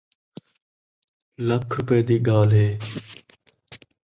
لکھ روپئے دی ڳالھ ہے